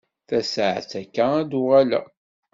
Tasaɛet akka ad d-uɣaleɣ.